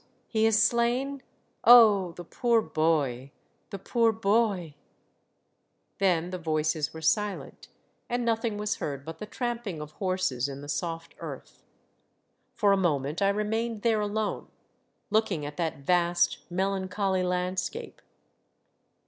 he is slain? Oh! the poor boy, the poor boy !" Then the voices were silent, and nothing was heard but the tramping of horses in the soft earth. For a moment I remained there alone, looking at that vast, melancholy landscape.